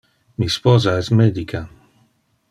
Mi sposa es medica.